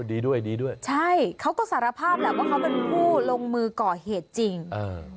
ดีด้วยดีด้วยใช่เขาก็สารภาพแหละว่าเขาเป็นผู้ลงมือก่อเหตุจริงเออ